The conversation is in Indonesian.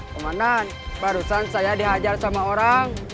pemanan barusan saya dihajar sama orang